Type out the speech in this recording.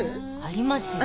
ありますよ。